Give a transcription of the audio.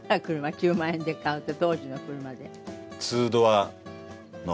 ９万円で買うと当時の車で。